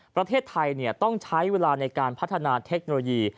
ประเทศไทยต้องใช้เวลาในการพัฒนาเทคโนโลยี